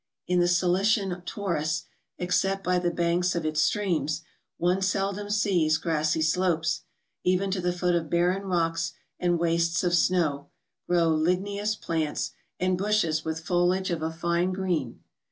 In the Cilician Taurus, except by the banks of its streams, one seldom sees grassy slopes ; even to the foot of barren rocks and wastes of snow, grow ligneous plants, and bushes with foliage of a fine green.